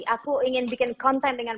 aku ingin bikin konten dengan